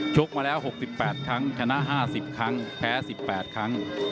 กมาแล้ว๖๘ครั้งชนะ๕๐ครั้งแพ้๑๘ครั้ง